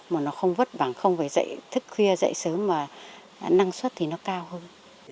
mà nó không vất vả không phải dậy thức khuya dậy sớm mà năng suất thì nó cao hơn